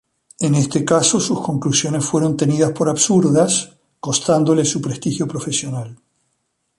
En este caso, sus conclusiones fueron tenidas por absurdas, costándole su prestigio profesional.